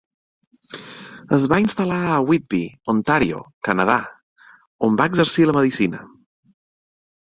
Es va instal·lar a Whitby, Ontario, Canadà, on va exercir la medicina.